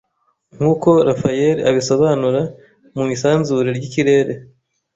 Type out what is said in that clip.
nkuko Raphael abisobanura mu isanzure ry'ikirere